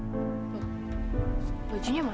loh bajunya mana